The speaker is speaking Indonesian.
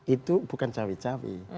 itu bukan cawe cawe